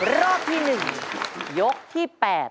รอบที่๑ยกที่๘